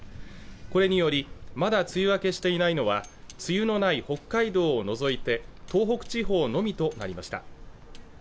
これによりまだ梅雨明けしていないのは梅雨のない北海道を除いて東北地方のみとなりました